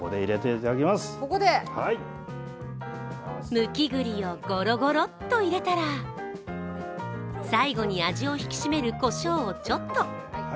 むき栗をごろごろっと入れたら最後に味を引き締める、こしょうをちょっと。